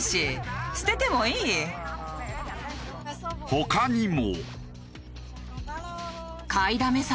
他にも。